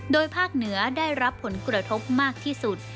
โดยภาคเหนือได้รับผลกระทบมากที่สุด